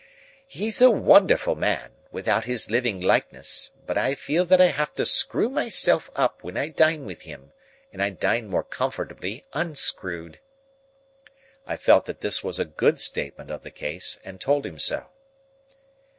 He's a wonderful man, without his living likeness; but I feel that I have to screw myself up when I dine with him,—and I dine more comfortably unscrewed." I felt that this was a good statement of the case, and told him so.